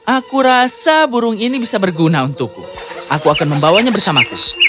aku rasa burung ini bisa berguna untukku aku akan membawanya bersamaku